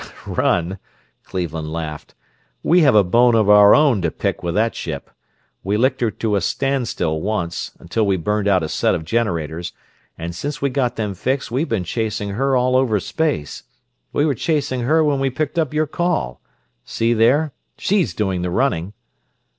"Run?" Cleveland laughed. "We have a bone of our own to pick with that ship. We licked her to a standstill once, until we burned out a set of generators, and since we got them fixed we've been chasing her all over space. We were chasing her when we picked up your call. See there? She's doing the running."